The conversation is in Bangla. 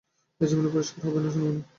এটা জীবনেও পরিস্কার হবেনা, সোনামণি।